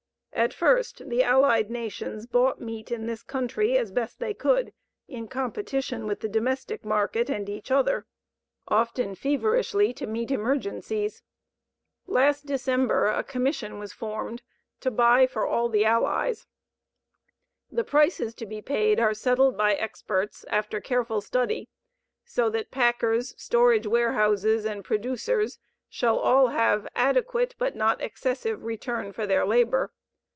At first the Allied nations bought meat in this country as best they could in competition with the domestic market and each other, often feverishly to meet emergencies. LAST DECEMBER A COMMISSION WAS FORMED TO BUY FOR ALL THE ALLIES. The prices to be paid are settled by experts, after careful study, so that packers, storage warehouses, and producers shall all have adequate, but not excessive return for their labor.